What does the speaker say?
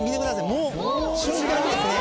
もう瞬間にですね。